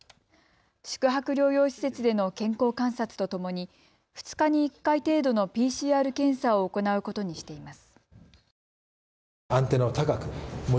宿泊療養施設での健康観察とともに２日に１回程度のＰＣＲ検査を行うことにしています。